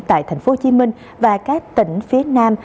tại tp hcm và các tỉnh phía nam